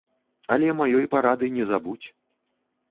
Але маёй парады не забудзь.